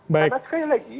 karena sekali lagi